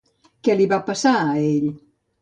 Què li va passar a ell?